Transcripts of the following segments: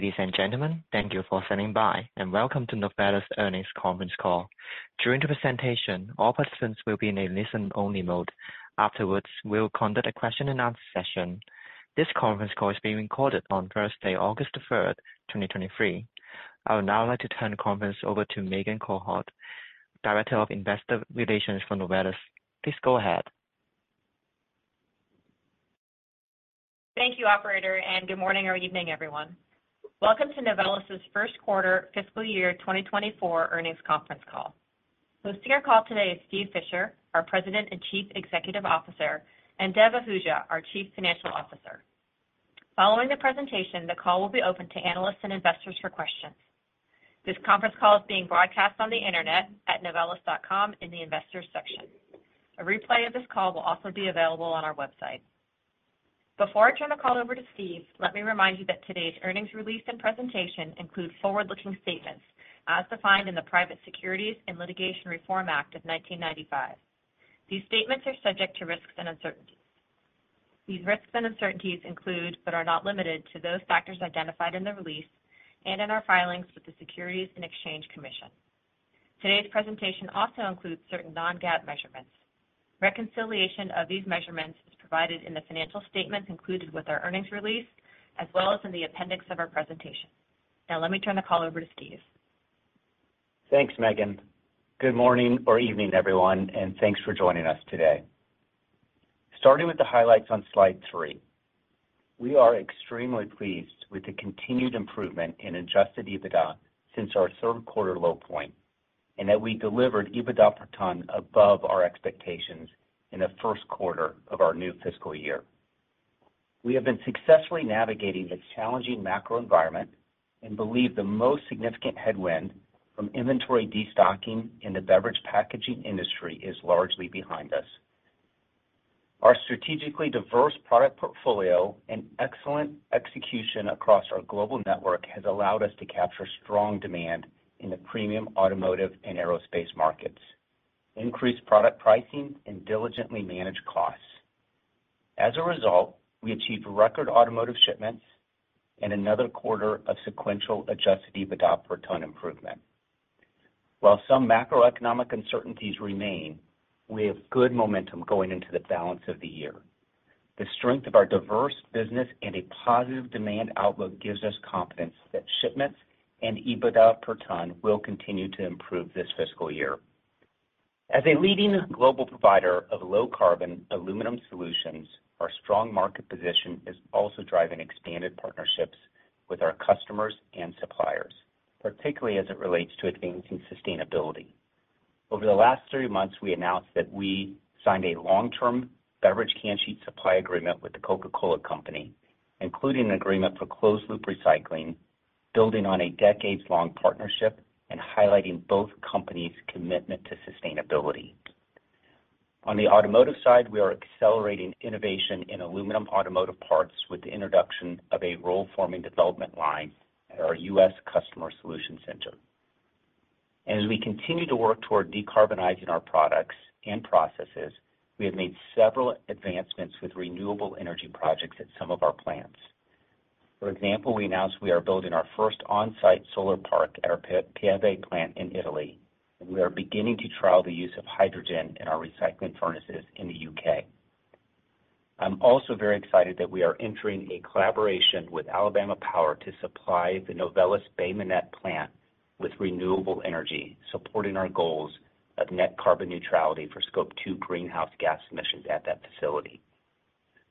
Ladies and gentlemen, thank you for standing by, and welcome to Novelis earnings conference call. During the presentation, all participants will be in a listen-only mode. Afterwards, we'll conduct a question-and-answer session. This conference call is being recorded on Thursday, August the third, twenty twenty-three. I would now like to turn the conference over to Molly Agnew, Director of Investor Relations for Novelis. Please go ahead. Thank you, operator. Good morning or evening, everyone. Welcome to Novelis's first quarter fiscal year 2024 earnings conference call. Hosting our call today is Steve Fisher, our President and Chief Executive Officer, and Dev Ahuja, our Chief Financial Officer. Following the presentation, the call will be open to analysts and investors for questions. This conference call is being broadcast on the Internet at novelis.com in the Investors section. A replay of this call will also be available on our website. Before I turn the call over to Steve, let me remind you that today's earnings release and presentation include forward-looking statements as defined in the Private Securities, and Litigation Reform Act of 1995. These statements are subject to risks and uncertainties. These risks and uncertainties include, but are not limited to, those factors identified in the release and in our filings with the Securities and Exchange Commission. Today's presentation also includes certain non-GAAP measurements. Reconciliation of these measurements is provided in the financial statements included with our earnings release, as well as in the appendix of our presentation. Let me turn the call over to Steve. Thanks, Molly. Good morning or evening, everyone, and thanks for joining us today. Starting with the highlights on slide three, we are extremely pleased with the continued improvement in Adjusted EBITDA since our third-quarter low point, and that we delivered EBITDA per ton above our expectations in the first quarter of our new fiscal year. We have been successfully navigating this challenging macro environment and believe the most significant headwind from inventory destocking in the beverage packaging industry is largely behind us. Our strategically diverse product portfolio and excellent execution across our global network has allowed us to capture strong demand in the premium automotive and aerospace markets, increased product pricing and diligently manage costs. As a result, we achieved record automotive shipments and another quarter of sequential Adjusted EBITDA per ton improvement. While some macroeconomic uncertainties remain, we have good momentum going into the balance of the year. The strength of our diverse business and a positive demand outlook gives us confidence that shipments and EBITDA per ton will continue to improve this fiscal year. As a leading global provider of low-carbon aluminum solutions, our strong market position is also driving expanded partnerships with our customers and suppliers, particularly as it relates to advancing sustainability. Over the last three months, we announced that we signed a long-term beverage can sheet supply agreement with The Coca-Cola Company, including an agreement for closed-loop recycling, building on a decades-long partnership and highlighting both companies' commitment to sustainability. On the automotive side, we are accelerating innovation in aluminum automotive parts with the introduction of a roll-forming development line at our U.S. Customer Solution Center. As we continue to work toward decarbonizing our products and processes, we have made several advancements with renewable energy projects at some of our plants. For example, we announced we are building our first on-site solar park at our Piombino plant in Italy, and we are beginning to trial the use of hydrogen in our recycling furnaces in the U.K. I'm also very excited that we are entering a collaboration with Alabama Power to supply the Novelis Bay Minette plant with renewable energy, supporting our goals of net carbon neutrality for Scope 2 greenhouse gas emissions at that facility.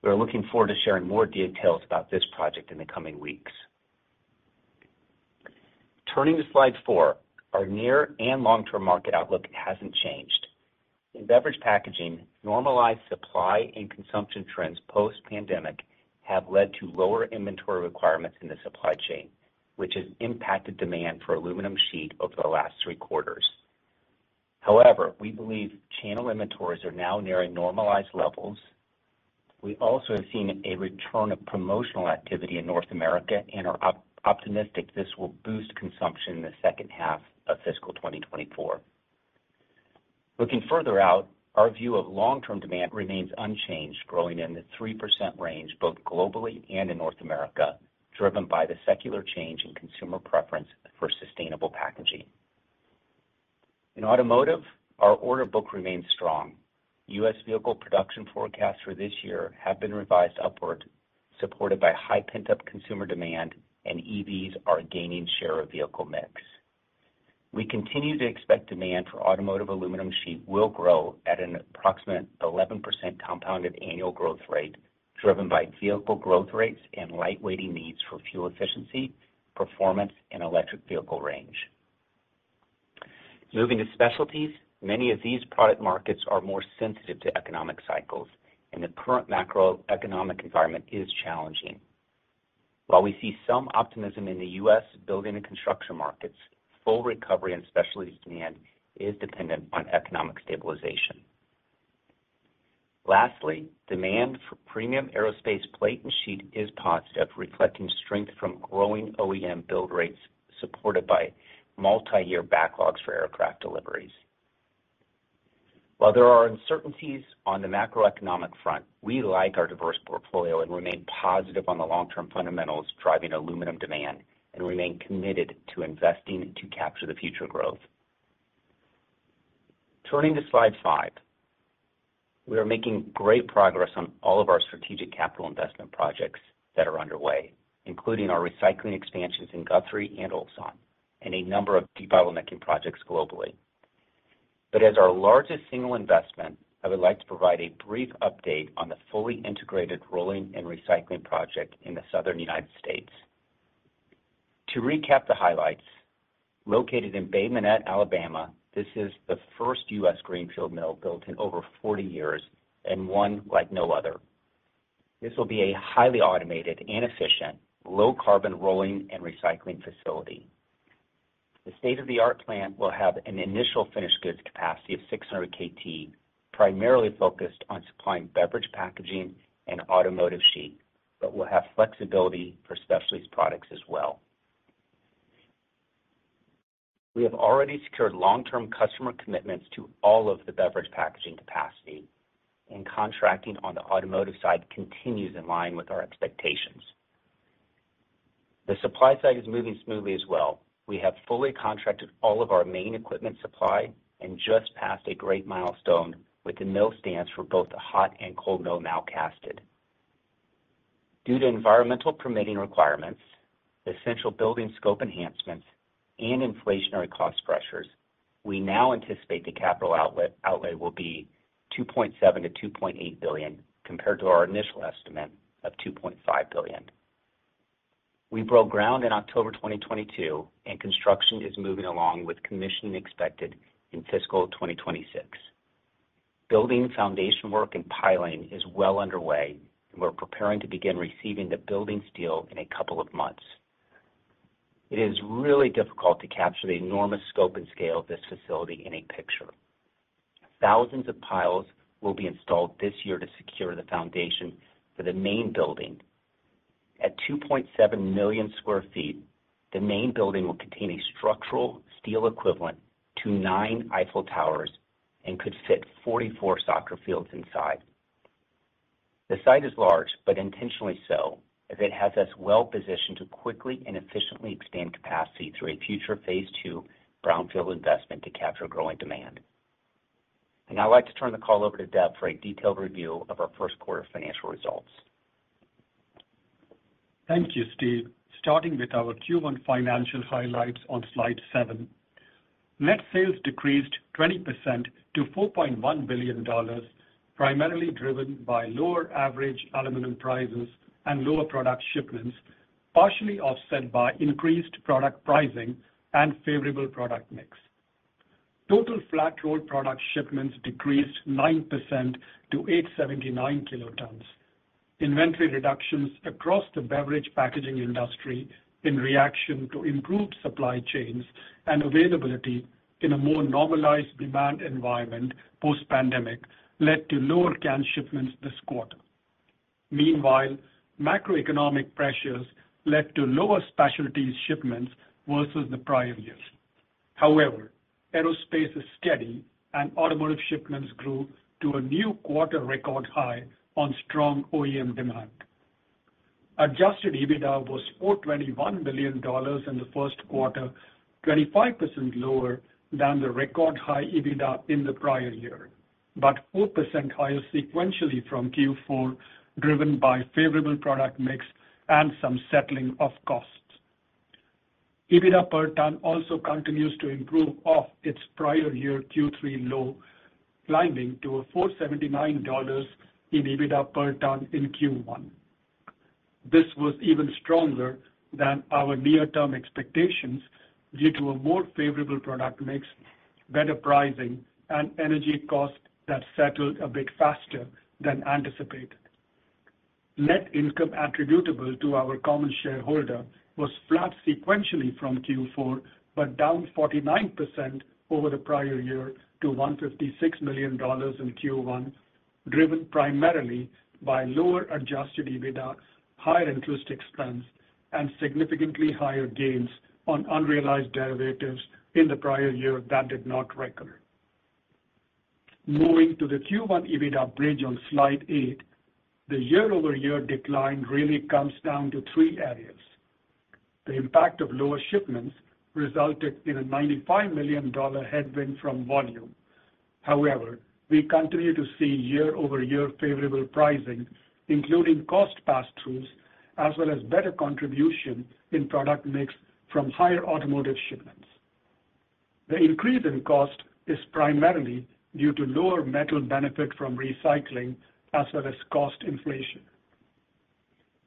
We are looking forward to sharing more details about this project in the coming weeks. Turning to slide four, our near and long-term market outlook hasn't changed. In beverage packaging, normalized supply and consumption trends post-pandemic have led to lower inventory requirements in the supply chain, which has impacted demand for aluminum sheet over the last three quarters. We believe channel inventories are now nearing normalized levels. We also have seen a return of promotional activity in North America and are optimistic that this will boost consumption in the second half of fiscal 2024. Looking further out, our view of long-term demand remains unchanged, growing in the 3% range, both globally and in North America, driven by the secular change in consumer preference for sustainable packaging. In automotive, our order book remains strong. U.S. vehicle production forecasts for this year have been revised upward, supported by high pent-up consumer demand, and EVs are gaining share of the vehicle mix. We continue to expect demand for automotive aluminum sheet will grow at an approximate 11% compounded annual growth rate, driven by vehicle growth rates and lightweighting needs for fuel efficiency, performance, and electric vehicle range. Moving to specialties, many of these product markets are more sensitive to economic cycles, and the current macroeconomic environment is challenging. While we see some optimism in the U.S. building and construction markets, full recovery and specialty demand is dependent on economic stabilization. Lastly, demand for premium aerospace plate and sheet is positive, reflecting strength from growing OEM build rates, supported by multi-year backlogs for aircraft deliveries. There are uncertainties on the macroeconomic front, we like our diverse portfolio and remain positive on the long-term fundamentals driving aluminum demand and remain committed to investing to capture the future growth. Turning to slide five, we are making great progress on all of our strategic capital investment projects that are underway, including our recycling expansions in Guthrie and Ulsan, and a number of debottlenecking projects globally. As our largest single investment, I would like to provide a brief update on the fully integrated rolling and recycling project in the Southern U.S. To recap the highlights, located in Bay Minette, Alabama, this is the first U.S. greenfield mill built in over 40 years and one like no other. This will be a highly automated and efficient, low-carbon rolling and recycling facility. The state-of-the-art plant will have an initial finished goods capacity of 600 KT, primarily focused on supplying beverage packaging and automotive sheet, but will have flexibility for specialties products as well. We have already secured long-term customer commitments to all of the beverage packaging capacity, and contracting on the automotive side continues in line with our expectations. The supply side is moving smoothly as well. We have fully contracted all of our main equipment supply and just passed a great milestone with the mill stands for both the hot and cold mill now casted. Due to environmental permitting requirements, essential building scope enhancements, and inflationary cost pressures, we now anticipate the capital outlay will be $2.7 billion-$2.8 billion, compared to our initial estimate of $2.5 billion. We broke ground in October 2022, and construction is moving along with commissioning expected in fiscal 2026. Building foundation work and piling is well underway, and we're preparing to begin receiving the building steel in a couple of months. It is really difficult to capture the enormous scope and scale of this facility in a picture. Thousands of piles will be installed this year to secure the foundation for the main building. At 2.7 million sq ft, the main building will contain a structural steel equivalent to nine Eiffel Towers and could fit 44 soccer fields inside. The site is large, but intentionally so, as it has us well-positioned to quickly and efficiently expand capacity through a future phase II brownfield investment to capture growing demand. I'd like to turn the call over to Dev for a detailed review of our first quarter financial results. Thank you, Steve. Starting with our Q1 financial highlights on slide seven, net sales decreased 20% to $4.1 billion, primarily driven by lower average aluminum prices and lower product shipments, partially offset by increased product pricing and favorable product mix. Total flat roll product shipments decreased 9% to 879 kilotons. Inventory reductions across the beverage packaging industry in reaction to improved supply chains and availability in a more normalized demand environment post-pandemic led to lower can shipments this quarter. Macroeconomic pressures led to lower specialties shipments versus the prior year. Aerospace is steady, and automotive shipments grew to a new quarter record high on strong OEM demand. Adjusted EBITDA was $421 million in the first quarter, 25% lower than the record-high EBITDA in the prior year, but 4% higher sequentially from Q4, driven by favorable product mix and some settling of costs. EBITDA per ton also continues to improve off its prior year Q3 low, climbing to a $479 in EBITDA per ton in Q1. This was even stronger than our near-term expectations due to a more favorable product mix, better pricing, and energy costs that settled a bit faster than anticipated. Net income attributable to our common shareholder was flat sequentially from Q4, but down 49% over the prior year to $156 million in Q1, driven primarily by lower Adjusted EBITDA, higher interest expense, and significantly higher gains on unrealized derivatives in the prior year that did not recur. Moving to the Q1 EBITDA bridge on slide eight, the year-over-year decline really comes down to three areas. The impact of lower shipments resulted in a $95 million headwind from volume. However, we continue to see year-over-year favorable pricing, including cost passthroughs, as well as better contribution in product mix from higher automotive shipments. The increase in cost is primarily due to lower metal benefit from recycling, as well as cost inflation.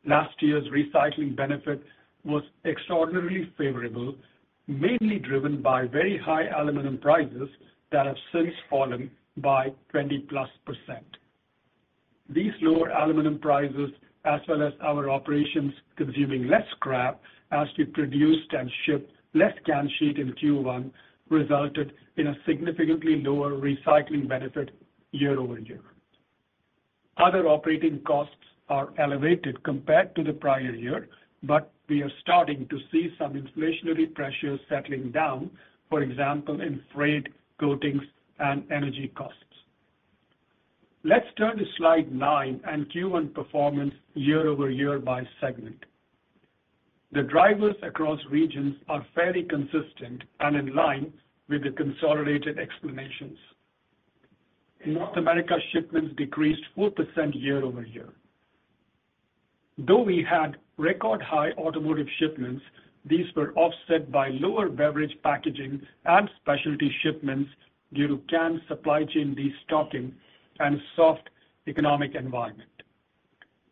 Last year's recycling benefit was extraordinarily favorable, mainly driven by very high aluminum prices that have since fallen by 20+%. These lower aluminum prices, as well as our operations consuming less scrap as we produced and shipped less can sheet in Q1, resulted in a significantly lower recycling benefit year-over-year. Other operating costs are elevated compared to the prior-year, but we are starting to see some inflationary pressures settling down, for example, in freight, coatings, and energy costs. Let's turn to slide nine and Q1 performance year-over-year by segment. The drivers across regions are fairly consistent and in line with the consolidated explanations. In North America, shipments decreased 4% year-over-year. Though we had record high automotive shipments, these were offset by lower beverage packaging and specialty shipments due to can supply chain destocking and soft economic environment.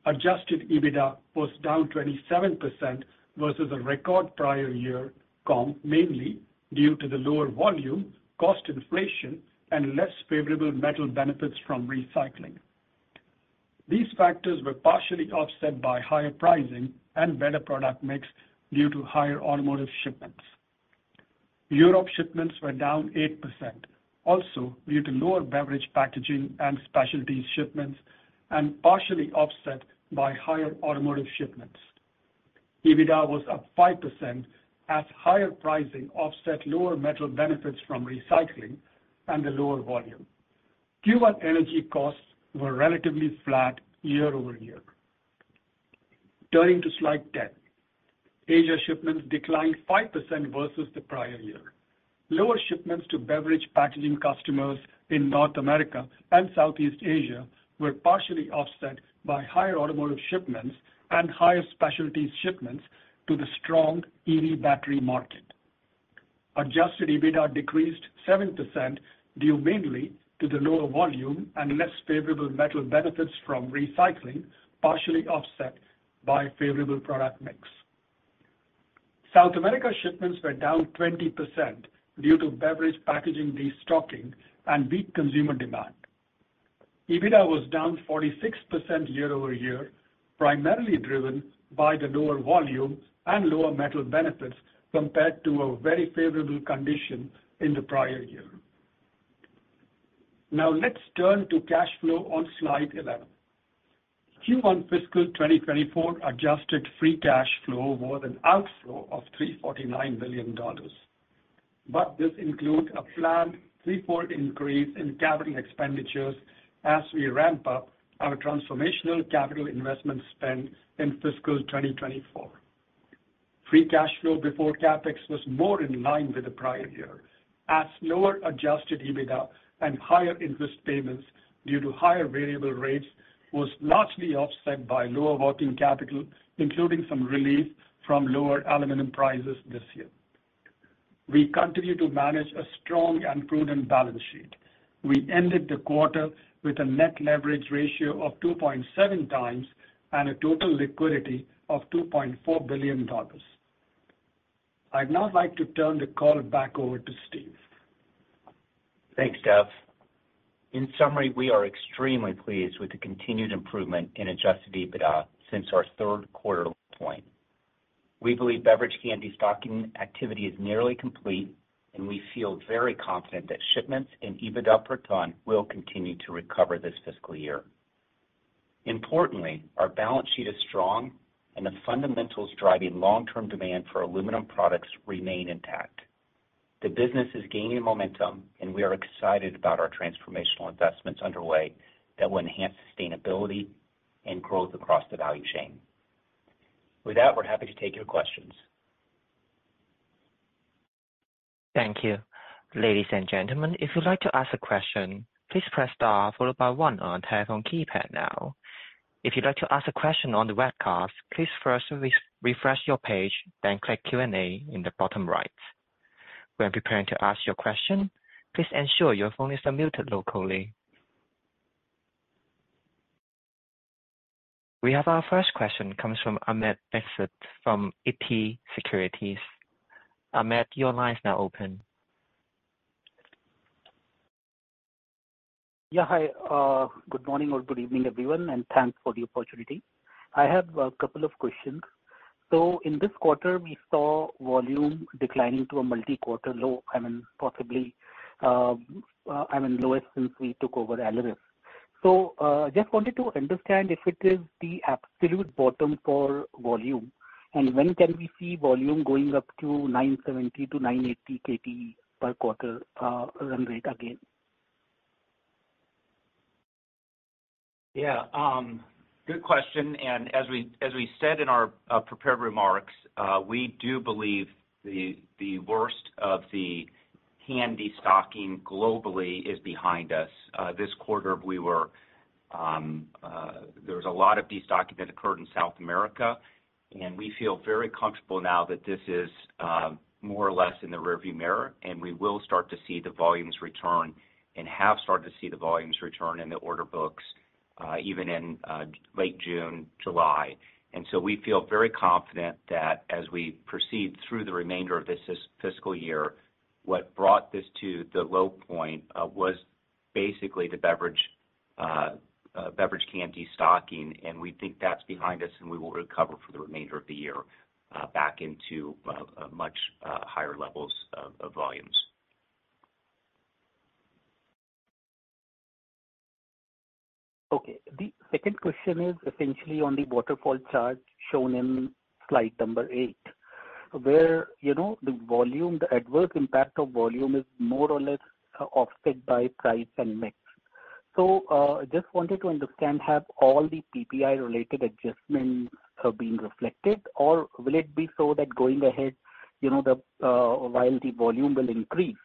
Adjusted EBITDA was down 27% versus a record prior-year comp, mainly due to the lower volume, cost inflation, and less favorable metal benefits from recycling. These factors were partially offset by higher pricing and better product mix due to higher automotive shipments. Europe shipments were down 8%, also due to lower beverage packaging and specialties shipments, and partially offset by higher automotive shipments. EBITDA was up 5%, as higher pricing offset lower metal benefits from recycling and the lower volume. Q1 energy costs were relatively flat year-over-year. Turning to slide 10. Asia shipments declined 5% versus the prior year. Lower shipments to beverage packaging customers in North America and Southeast Asia were partially offset by higher automotive shipments and higher specialties shipments to the strong EV battery market. Adjusted EBITDA decreased 7%, due mainly to the lower volume and less favorable metal benefits from recycling, partially offset by a favorable product mix. South America shipments were down 20% due to beverage packaging destocking and weak consumer demand. EBITDA was down 46% year-over-year, primarily driven by the lower volume and lower metal benefits compared to a very favorable condition in the prior year. Let's turn to cash flow on slide 11. Q1 fiscal 2024 Adjusted Free Cash Flow was an outflow of $349 million. This includes a planned threefold increase in capital expenditures as we ramp up our transformational capital investment spend in fiscal 2024. Free cash flow before CapEx was more in line with the prior year, as lower Adjusted EBITDA and higher interest payments due to higher variable rates were largely offset by lower working capital, including some relief from lower aluminum prices this year. We continue to manage a strong and prudent balance sheet. We ended the quarter with a net leverage ratio of 2.7x and a total liquidity of $2.4 billion. I'd now like to turn the call back over to Steve. Thanks, Dev. In summary, we are extremely pleased with the continued improvement in Adjusted EBITDA since our third quarter point. We believe the beverage can destocking activity is nearly complete. We feel very confident that shipments and EBITDA per ton will continue to recover this fiscal year. Importantly, our balance sheet is strong. The fundamentals driving long-term demand for aluminum products remain intact. The business is gaining momentum. We are excited about our transformational investments underway that will enhance sustainability and growth across the value chain. With that, we're happy to take your questions. Thank you. Ladies and gentlemen, if you'd like to ask a question, please press star followed by one on your telephone keypad now. If you'd like to ask a question on the webcast, please first refresh your page, then click Q&A in the bottom right. When preparing to ask your question, please ensure your phone is unmuted locally. We have our first question comes from Amit Dixit from ICICI Securities. Amit, your line is now open. Yeah, hi, good morning or good evening, everyone, and thanks for the opportunity. I have a couple of questions. In this quarter, we saw volume declining to a multi-quarter low, I mean, possibly, I mean, lowest since we took over Aleris. Just wanted to understand if it is the absolute bottom for volume, and when we can see volume going up to 970 KP-980 KP per quarter run rate again? Good question. As we said in our prepared remarks, we do believe the worst of the can destocking globally is behind us. This quarter, we were, there was a lot of destocking that occurred in South America, and we feel very comfortable now that this is more or less in the rearview mirror, and we will start to see the volumes return and have started to see the volumes return in the order books, even in late June, July. We feel very confident that as we proceed through the remainder of this fiscal year, what brought this to the low point, was basically the beverage can destocking, and we think that's behind us, and we will recover for the remainder of the year, back into a much higher levels of volumes. Okay, the second question is essentially on the waterfall chart shown in slide number eight, where, you know, the volume, the adverse impact of volume is more or less, offset by price and mix. just wanted to understand, have all the PPI-related adjustments been reflected, or will it be so that going ahead, you know, the, while the volume will increase,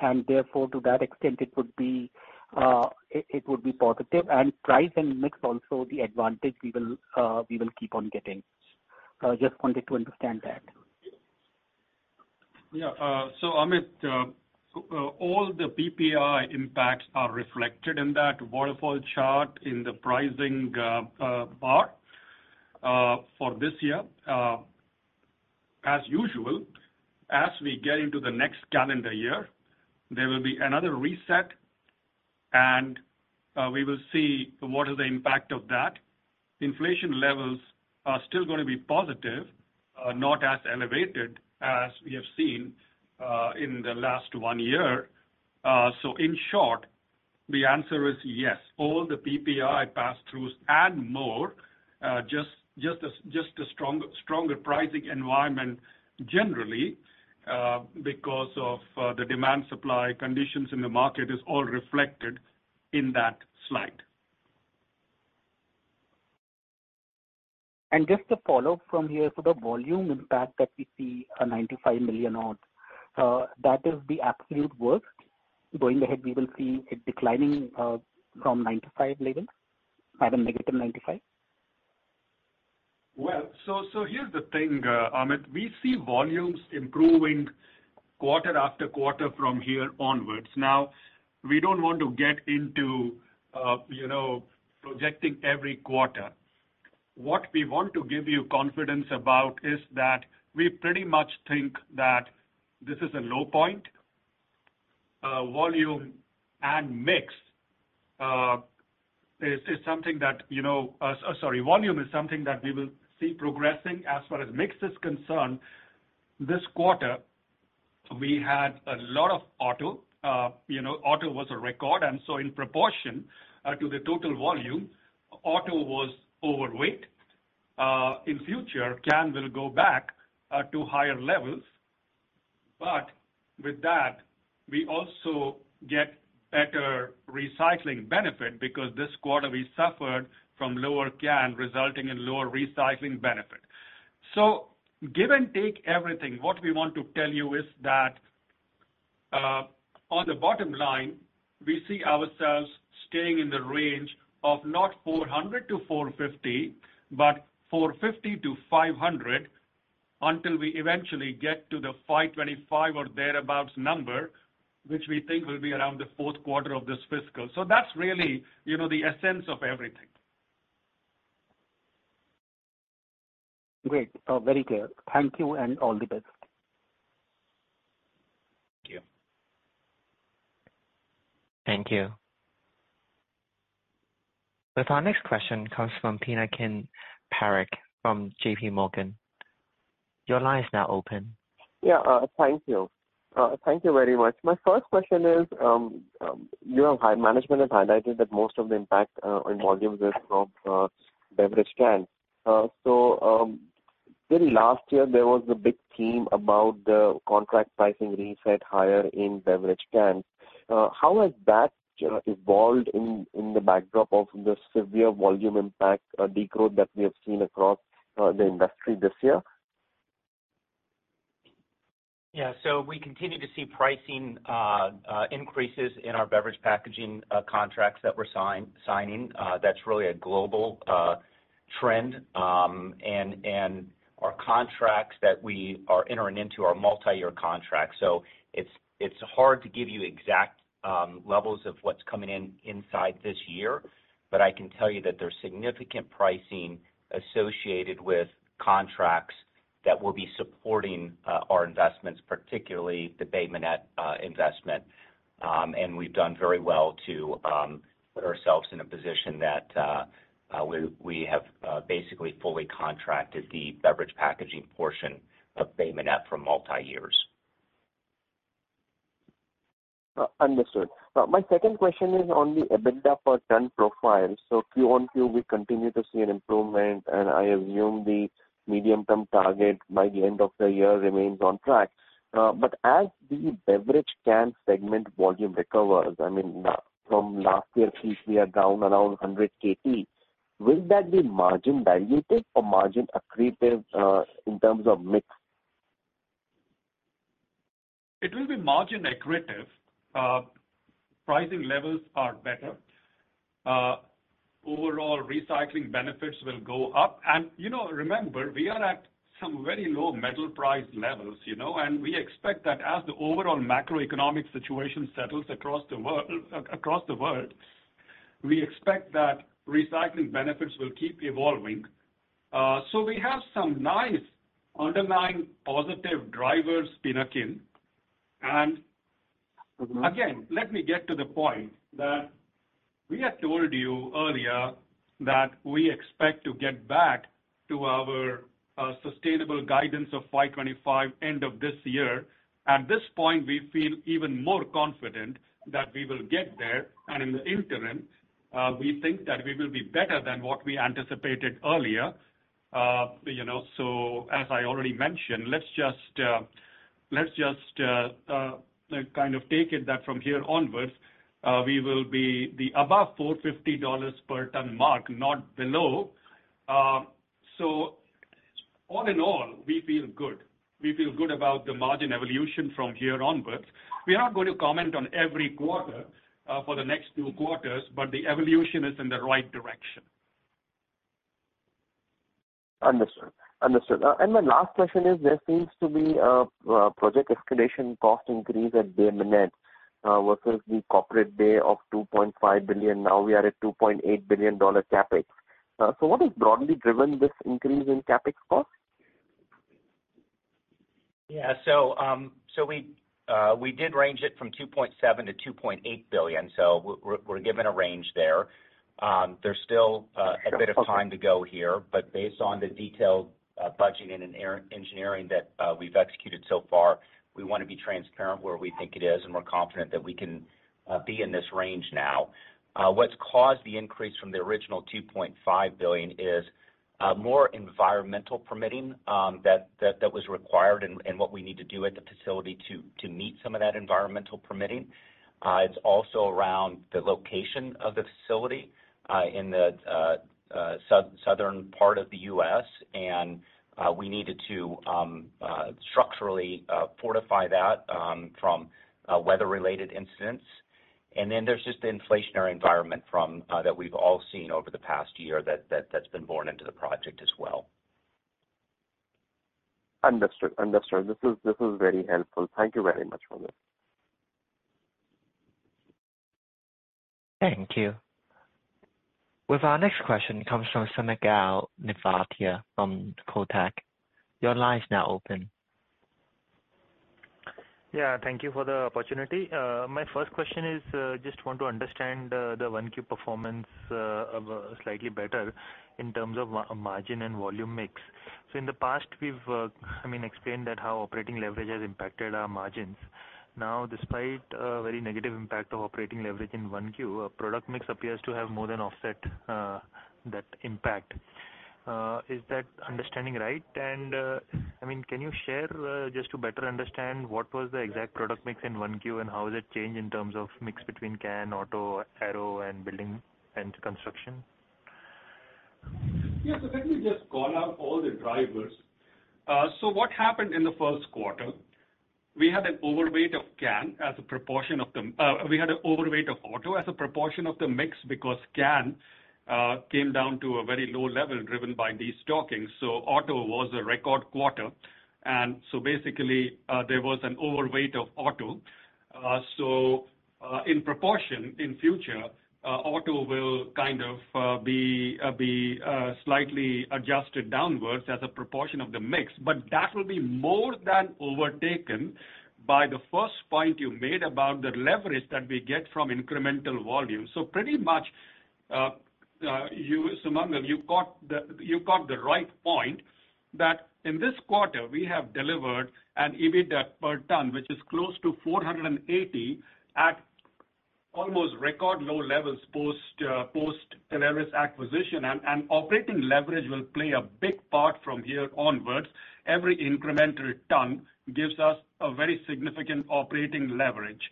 and therefore, to that extent, it would be positive, and price and mix also the advantage we will, we will keep on getting. just wanted to understand that. Yeah, Amit Dixit, all the PPI impacts are reflected in that waterfall chart in the pricing bar for this year. As usual, as we get into the next calendar year, there will be another reset, and we will see what is the impact of that. Inflation levels are still going to be positive, not as elevated as we have seen in the last one year. In short, the answer is yes. All the PPI pass-throughs and more, just a stronger pricing environment generally, because of the demand-supply conditions in the market, is all reflected in that slide. Just to follow up from here, for the volume impact that we see a $95 million odd, that is the absolute worst. Going ahead, we will see it declining from 95 levels at a negative 95? So here's the thing, Amit. We see volumes improving quarter after quarter from here onwards. We don't want to get into, you know, projecting every quarter. What we want to give you confidence about is that we pretty much think that this is a low point. Volume and mix is something that, you know, sorry, volume is something that we will see progressing. As far as mix is concerned, this quarter, we had a lot of auto. You know, auto was a record, and so in proportion to the total volume, auto was overweight. In future, can will go back to higher levels. With that, we also get better recycling benefit because this quarter we suffered from lower can, resulting in lower recycling benefit. Give and take everything, what we want to tell you is that, on the bottom line, we see ourselves staying in the range of not $400-$450, but $450-$500, until we eventually get to the $525 or thereabout number, which we think will be around the fourth quarter of this fiscal. That's really, you know, the essence of everything. Great. very clear. Thank you, and all the best. Thank you. Thank you. Our next question comes from Pinakin Parekh, from JPMorgan. Your line is now open. Yeah, thank you. Thank you very much. My first question is, your high management has highlighted that most of the impact on volumes is from beverage cans. Very last year, there was a big theme about the contract pricing reset higher in beverage cans. How has that evolved in the backdrop of the severe volume impact decline that we have seen across the industry this year? Yeah, we continue to see pricing increases in our beverage packaging contracts that we're signing. That's really a global trend. Our contracts that we are entering into are multi-year contracts, it's hard to give you exact levels of what's coming in inside this year, but I can tell you that there's significant pricing associated with contracts that will be supporting our investments, particularly the Bay Minette investment. We've done very well to put ourselves in a position that we have basically fully contracted the beverage packaging portion of Bay Minette for multi-years. Understood. My second question is on the EBITDA per ton profile. Q1 we continue to see an improvement, and I assume the medium-term target by the end of the year remains on track. But as the beverage can segment volume recovers, I mean, from last year, Q3 are down around 100 KP. Will that be margin dilutive or margin accretive in terms of mix? It will be margin accretive. Pricing levels are better. Overall, recycling benefits will go up, and, you know, remember, we are at some very low metal price levels, you know, and we expect that as the overall macroeconomic situation settles across the world, across the world, we expect that recycling benefits will keep evolving. So we have some nice underlying positive drivers, Pinakin. Let me get to the point. We had told you earlier that we expect to get back to our sustainable guidance of $525 end of this year. At this point, we feel even more confident that we will get there, and in the interim, we think that we will be better than what we anticipated earlier. You know, as I already mentioned, let's just kind of take it that from here onwards, we will be the above $450 per ton mark, not below. All in all, we feel good. We feel good about the margin evolution from here onwards. We are not going to comment on every quarter for the next two quarters, but the evolution is in the right direction. Understood. Understood. My last question is, there seems to be a project escalation cost increase at Bay Minette, versus the corporate day of $2.5 billion, now we are at $2.8 billion CapEx. What has broadly driven this increase in CapEx cost? We did range it from $2.7 billion-$2.8 billion, so we're giving a range there. There's still a bit of time to go here, but based on the detailed budgeting and engineering that we've executed so far, we wanna be transparent where we think it is, and we're confident that we can be in this range now. What's caused the increase from the original $2.5 billion is more environmental permitting that was required and what we need to do at the facility to meet some of that environmental permitting. It's also around the location of the facility in the southern part of the U.S., and we needed to structurally fortify that from weather-related incidents. There's just the inflationary environment from that we've all seen over the past year that's been born into the project as well. Understood. This is very helpful. Thank you very much for this. Thank you. With our next question comes from Sumangal Nevatia from Kotak. Your line is now open. Yeah, thank you for the opportunity. My first question is, just want to understand, the 1Q performance, slightly better in terms of margin and volume mix. In the past, we've, I mean, explained that how operating leverage has impacted our margins. Despite a very negative impact of operating leverage in 1Q, our product mix appears to have more than offset, that impact. Is that understanding right? I mean, can you share, just to better understand what was the exact product mix in 1Q, and how has it changed in terms of mix between can, auto, aero, and building and construction? Yeah, let me just call out all the drivers. What happened in the first quarter, we had an overweight of can as a proportion of the, we had an overweight of auto as a proportion of the mix because can came down to a very low level driven by destocking. Auto was a record quarter. Basically, there was an overweight of auto. In proportion, in future, auto will kind of be slightly adjusted downwards as a proportion of the mix, but that will be more than overtaken by the first point you made about the leverage that we get from incremental volume. Pretty much, you, Sumangal, you got the right point, that in this quarter, we have delivered an EBITDA per ton, which is close to $480 at almost record low levels post Aleris acquisition, operating leverage will play a big part from here onwards. Every incremental ton gives us a very significant operating leverage.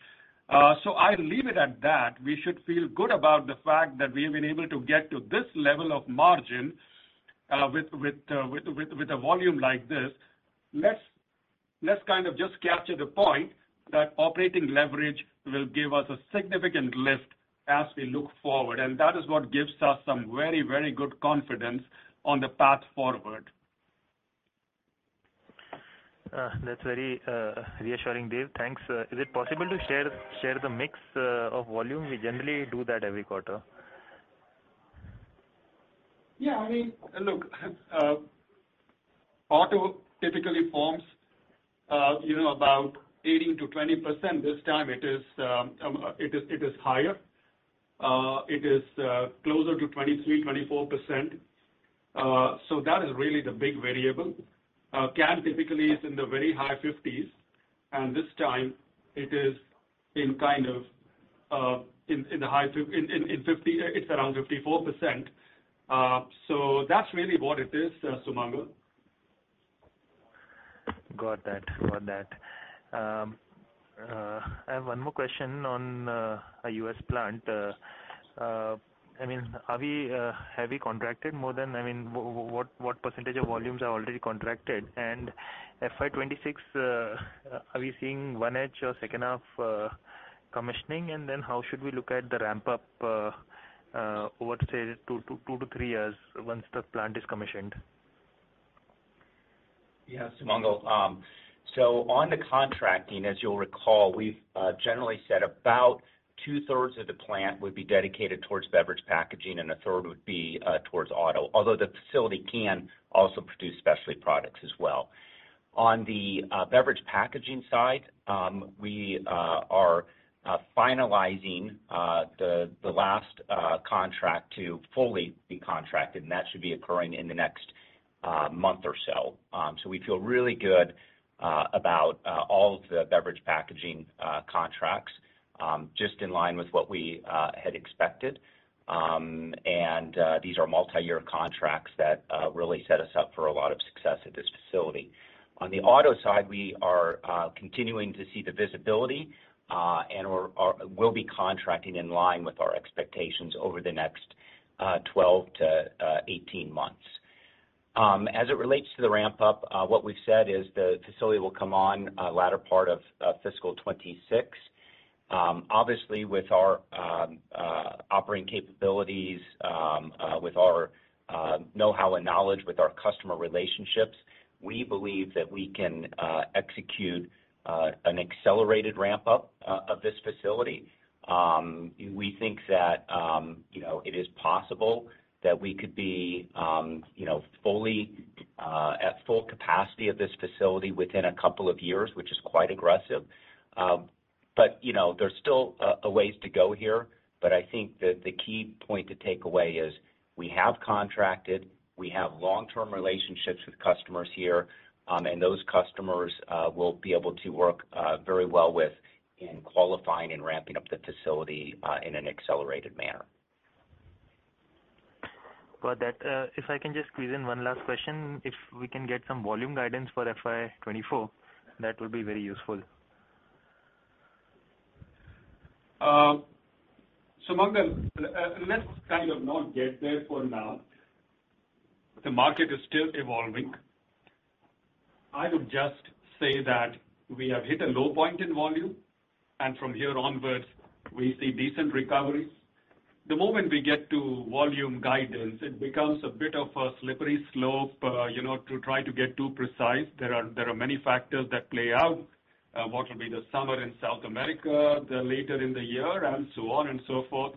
I leave it at that. We should feel good about the fact that we've been able to get to this level of margin, with a volume like this. Let's kind of just capture the point that operating leverage will give us a significant lift as we look forward, and that is what gives us some very, very good confidence on the path forward. That's very reassuring, Dev. Thanks. Is it possible to share the mix of volume? We generally do that every quarter. Yeah, I mean, look, auto typically forms, you know, about 18%-20%. This time it is higher. It is closer to 23%, 24%. That is really the big variable. Can typically is in the very high fifties, and this time it is in kind of in 50%, it's around 54%. That's really what it is, Sumangal. Got that. Got that. I have one more question on a U.S. plant. I mean, what percentage of volumes are already contracted? FY 2026, are we seeing one edge or second half commissioning? How should we look at the ramp-up over, say, two to years years once the plant is commissioned? Yeah, Sumangal, on the contracting, as you'll recall, we've generally said about two-thirds of the plant would be dedicated towards beverage packaging and a third would be towards auto, although the facility can also produce specialty products as well. On the beverage packaging side, we are finalizing the last contract to fully be contracted, and that should be occurring in the next month or so. We feel really good about all of the beverage packaging contracts, just in line with what we had expected. These are multi-year contracts that really set us up for a lot of success at this facility. On the auto side, we are continuing to see the visibility, and we're, we'll be contracting in line with our expectations over the next 12-18 months. As it relates to the ramp up, what we've said is the facility will come on latter part of fiscal 2026. Obviously, with our operating capabilities, with our know-how and knowledge, with our customer relationships, we believe that we can execute an accelerated ramp-up of this facility. We think that, you know, it is possible that we could be, you know, fully at full capacity of this facility within two years, which is quite aggressive. You know, there's still a ways to go here, but I think the key point to take away is we have contracted, we have long-term relationships with customers here, and those customers, we'll be able to work very well with in qualifying and ramping up the facility in an accelerated manner. Got that. If I can just squeeze in one last question, if we can get some volume guidance for FY 2024, that will be very useful. Sumangal, let's kind of not get there for now. The market is still evolving. I would just say that we have hit a low point in volume, and from here onwards, we see decent recoveries. The moment we get to volume guidance, it becomes a bit of a slippery slope, you know, to try to get too precise. There are many factors that play out, what will be the summer in South America, the later in the year, and so on and so forth.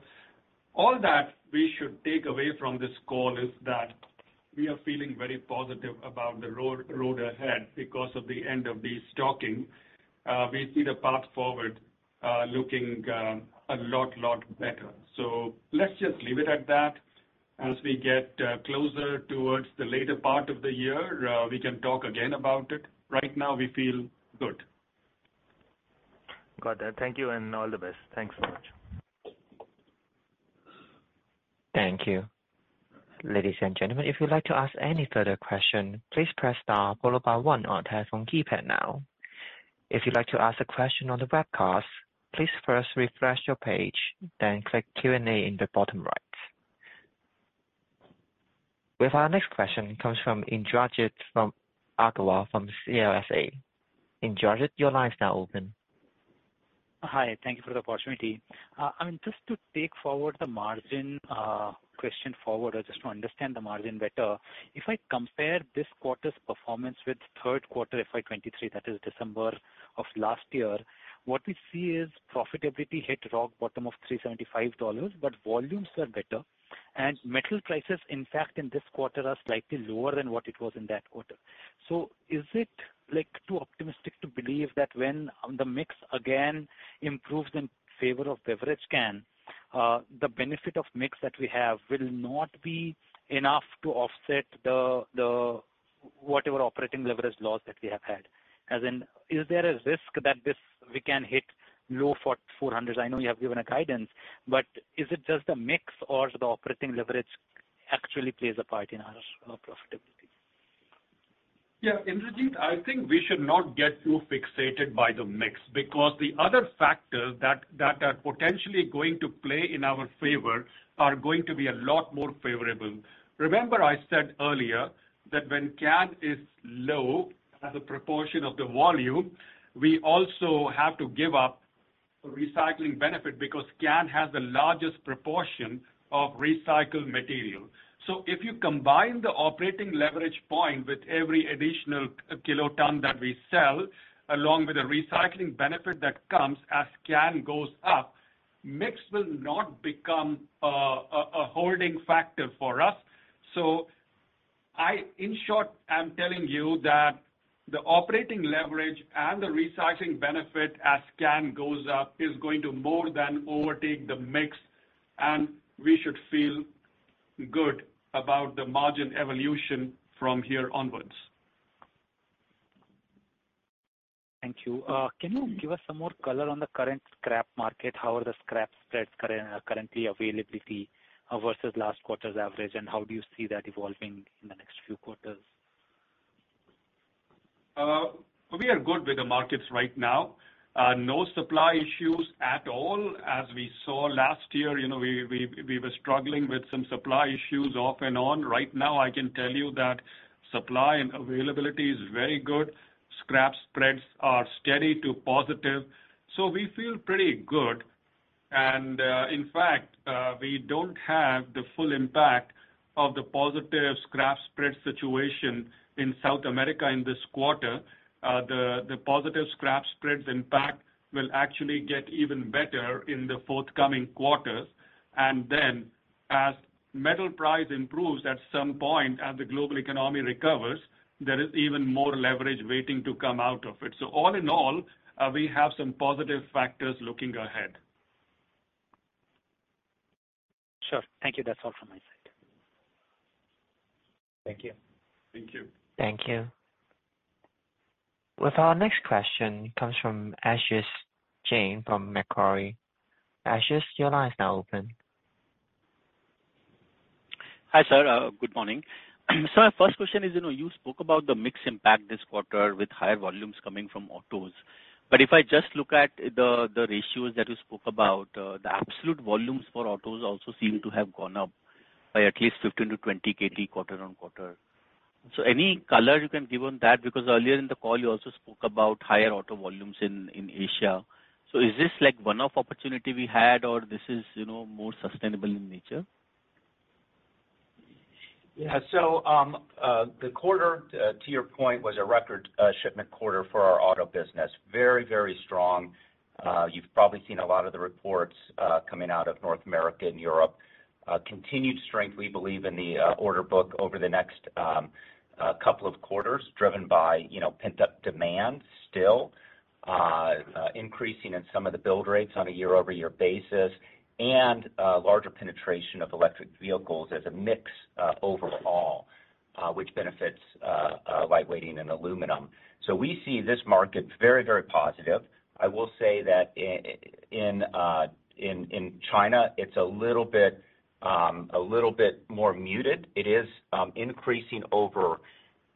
All that we should take away from this call is that we are feeling very positive about the road ahead because of the end of destocking. We see the path forward, looking a lot better. Let's just leave it at that. As we get closer towards the later part of the year, we can talk again about it. Right now, we feel good. Got that. Thank you and all the best. Thanks so much. Thank you. Ladies and gentlemen, if you'd like to ask any further question, please press star followed by one on telephone keypad now. If you'd like to ask a question on the webcast, please first refresh your page, then click Q&A in the bottom right. We have our next question comes from Indrajit Agarwal, from CLSA. Indrajit, your line is now open. Hi, thank you for the opportunity. I mean, just to take forward the margin question forward or just to understand the margin better. If I compare this quarter's performance with third quarter FY 2023, that is December of last year, what we see is profitability hit rock bottom of $375, but volumes are better, and metal prices, in fact, in this quarter are slightly lower than what it was in that quarter. Is it, like, too optimistic to believe that when the mix again improves in favor of beverage can, the benefit of mix that we have will not be enough to offset the whatever operating leverage loss that we have had? As in, is there a risk that we can hit low for $400? I know you have given a guidance, but is it just a mix or the operating leverage actually plays a part in our profitability? Indrajit, I think we should not get too fixated by the mix, because the other factors that are potentially going to play in our favor are going to be a lot more favorable. Remember I said earlier, that when can is low as a proportion of the volume, we also have to give up a recycling benefit because can has the largest proportion of recycled material. If you combine the operating leverage point with every additional kiloton that we sell, along with the recycling benefit that comes as can goes up, mix will not become a holding factor for us. I, in short, am telling you that the operating leverage and the recycling benefit as can goes up, is going to more than overtake the mix, and we should feel good about the margin evolution from here onwards. Thank you. Can you give us some more color on the current scrap market? How are the scrap spreads currently availability versus last quarter's average, and how do you see that evolving in the next few quarters? We are good with the markets right now. No supply issues at all. As we saw last year, you know, we were struggling with some supply issues off and on. Right now, I can tell you that supply and availability is very good. Scrap spreads are steady to positive, so we feel pretty good. In fact, we don't have the full impact of the positive scrap spread situation in South America in this quarter. The positive scrap spreads, in fact, will actually get even better in the forthcoming quarters, as metal price improves at some point, as the global economy recovers, there is even more leverage waiting to come out of it. All in all, we have some positive factors looking ahead. Sure. Thank you. That's all from my side. Thank you. Thank you. Thank you. With our next question, comes from Ashish Jain, from Macquarie. Ashish, your line is now open. Hi, sir. Good morning. My first question is, you know, you spoke about the mix impact this quarter with higher volumes coming from autos. If I just look at the ratios that you spoke about, the absolute volumes for autos also seem to have gone up by at least 15 KT to 20 KT quarter-on-quarter. Any color you can give to that? Earlier in the call, you also spoke about higher auto volumes in Asia. Is this like a one-off opportunity we had, or this is, you know, more sustainable in nature? The quarter, to your point, was a record shipment quarter for our auto business. Very, very strong. You've probably seen a lot of the reports coming out of North America and Europe. Continued strength, we believe in the order book over the next couple of quarters, driven by, you know, pent-up demand still increasing in some of the build rates on a year-over-year basis, and larger penetration of electric vehicles as a mix overall, which benefits lightweighting and aluminum. We see this market very, very positive. I will say that in China, it's a little bit a little bit more muted. It is increasing over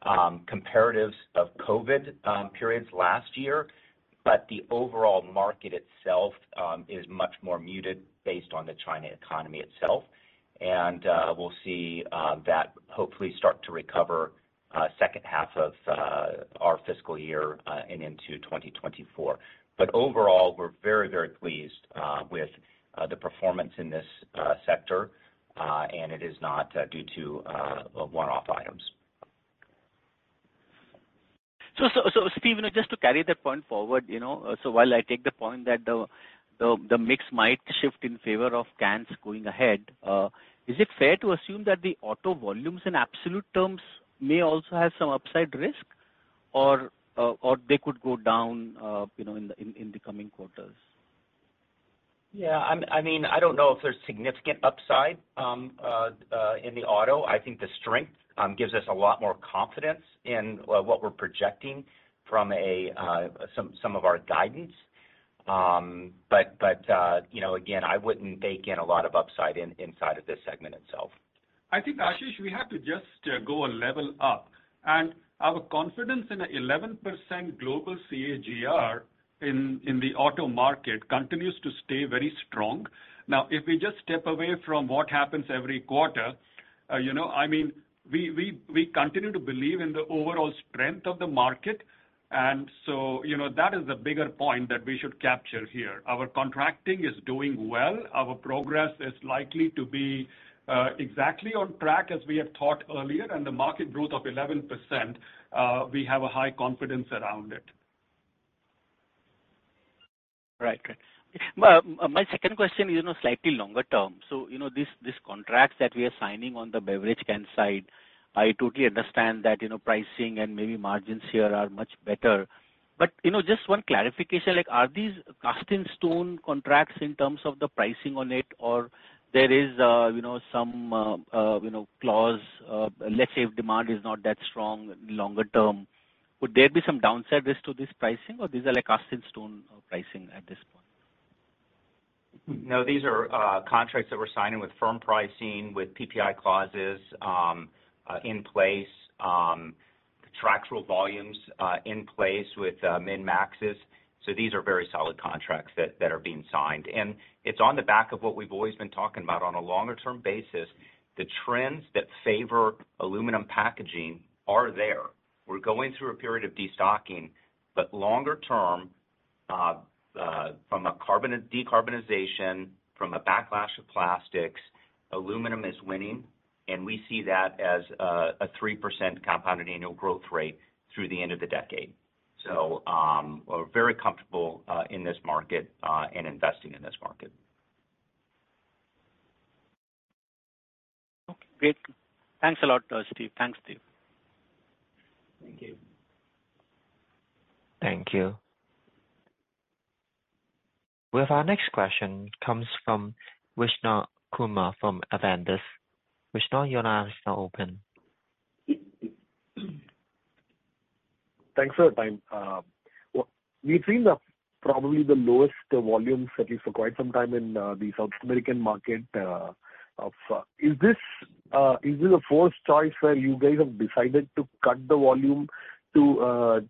comparatives of COVID periods last year, but the overall market itself is much more muted based on the China economy itself. We'll see that hopefully start to recover second half of our fiscal year and into 2024. Overall, we're very, very pleased with the performance in this sector and it is not due to one-off items. Steve, just to carry that point forward, you know, so while I take the point that the mix might shift in favor of cans going ahead, is it fair to assume that the auto volumes in absolute terms may also have some upside risk, or they could go down, you know, in the coming quarters? Yeah, I mean, I don't know if there's significant upside in the auto. I think the strength gives us a lot more confidence in what we're projecting from some of our guidance. You know, again, I wouldn't bake in a lot of upside inside of this segment itself. I think, Ashish, we have to just go a level up. Our confidence in an 11% global CAGR in the auto market continues to stay very strong. Now, if we just step away from what happens every quarter, you know, I mean, we continue to believe in the overall strength of the market, you know, that is the bigger point that we should capture here. Our contracting is doing well. Our progress is likely to be exactly on track as we have thought earlier, the market growth of 11%, we have a high confidence around it. Right. Great. My second question is, you know, slightly longer term. You know, this contracts that we are signing on the beverage can side, I totally understand that, you know, pricing and maybe margins here are much better. You know, just one clarification, like, are these cast in stone contracts in terms of the pricing on it, or there is, you know, some, you know, clause, let's say, if demand is not that strong longer term, would there be some downside risk to this pricing, or these are like cast in stone pricing at this point? No, these are contracts that we're signing with firm pricing, with PPI clauses in place, contractual volumes in place with min-maxes. These are very solid contracts that are being signed. It's on the back of what we've always been talking about. On a longer-term basis, the trends that favor aluminum packaging are there. We're going through a period of destocking, but longer term, from decarbonization, from a backlash of plastics, aluminum is winning, and we see that as a 3% compounded annual growth rate through the end of the decade. We're very comfortable in this market and investing in this market. Okay, great. Thanks a lot, Steve. Thanks, Steve. Thank you. Thank you. With our next question, comes from Vishnu Kumar, from Avendus. Vishnu, your line is now open. Thanks for the time. We've seen the, probably, the lowest volumes, at least for quite some time in the South American market. Is this a forced choice where you guys have decided to cut the volume to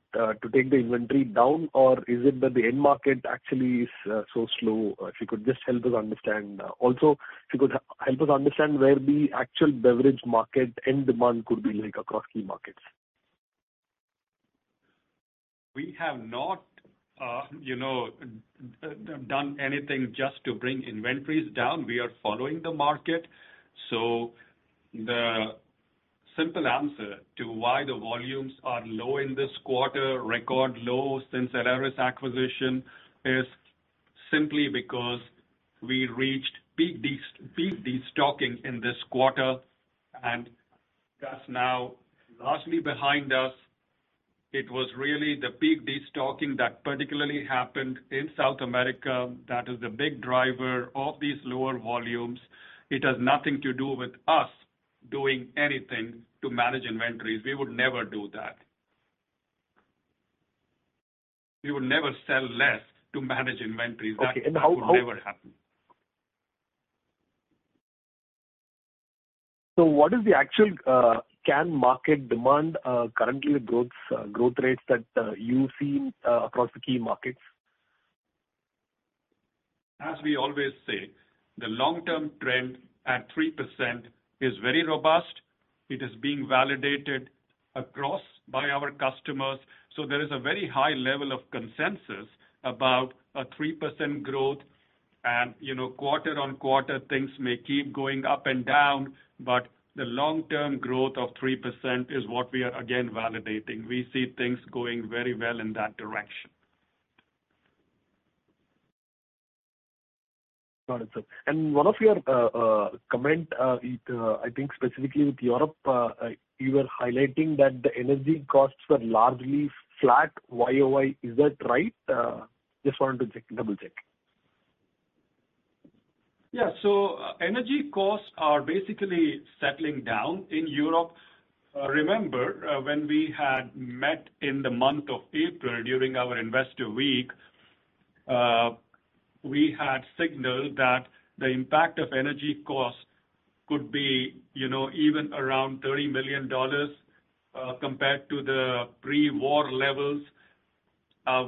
take the inventory down? Or is it that the end market actually is so slow? If you could just help us understand. Also, if you could help us understand where the actual beverage market end demand could be, like across key markets. We have not, you know, done anything just to bring inventories down. We are following the market. The simple answer to why the volumes are low in this quarter, record low since Aleris acquisition, is simply because we reached peak destocking in this quarter, and that's now largely behind us. It was really the peak destocking that particularly happened in South America. That is the big driver of these lower volumes. It has nothing to do with us doing anything to manage inventories. We would never do that. We would never sell less to manage inventories. Okay, how? That would never happen. What is the actual can market demand currently growth growth rates that you see across the key markets? As we always say, the long-term trend at 3% is very robust. It is being validated across by our customers, so there is a very high level of consensus about a 3% growth. You know, quarter on quarter, things may keep going up and down, but the long-term growth of 3% is what we are again validating. We see things going very well in that direction. Got it, sir. One of your comment, it, I think, specifically with Europe, you were highlighting that the energy costs were largely flat, YOY, is that right? Just wanted to check, double-check. Yeah. Energy costs are basically settling down in Europe. Remember, when we had met in the month of April during our investor week, we had signaled that the impact of energy costs could be, you know, even around $30 million, compared to the pre-war levels.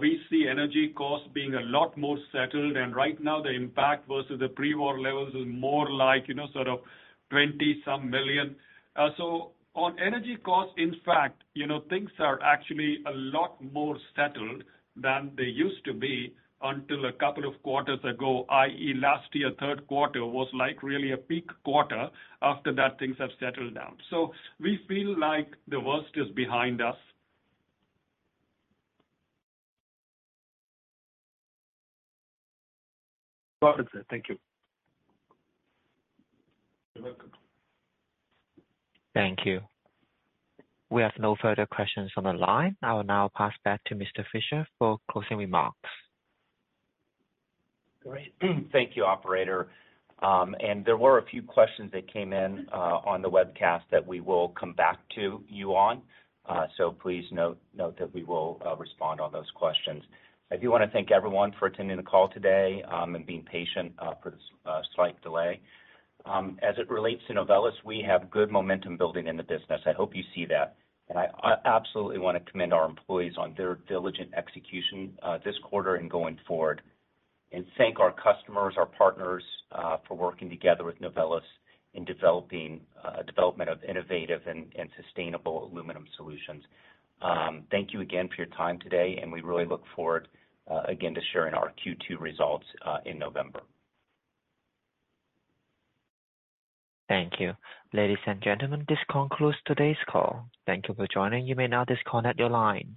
We see energy costs being a lot more settled, and right now, the impact versus the pre-war levels is more like, you know, sort of $20-some million. On energy costs, in fact, you know, things are actually a lot more settled than they used to be until a couple of quarters ago, i.e., last year, the third quarter was like really a peak quarter. After that, things have settled down. We feel like the worst is behind us. Got it, sir. Thank you. You're welcome. Thank you. We have no further questions on the line. I will now pass back to Mr. Fisher for closing remarks. Great. Thank you, operator. There were a few questions that came in on the webcast that we will come back to you on. Please note that we will respond on those questions. I do wanna thank everyone for attending the call today, and being patient for the slight delay. As it relates to Novelis, we have good momentum building in the business. I hope you see that. I absolutely wanna commend our employees on their diligent execution this quarter and going forward. Thank our customers, our partners, for working together with Novelis in development of innovative and sustainable aluminum solutions. Thank you again for your time today. We really look forward again, to sharing our Q2 results in November. Thank you. Ladies and gentlemen, this concludes today's call. Thank you for joining. You may now disconnect your line.